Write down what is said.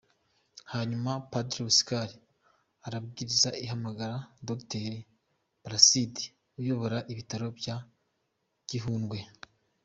Hanyuma Padiri Oscar aribwiriza ahamagara Dogiteri Placide uyobora ibitaro bya Gihundwe.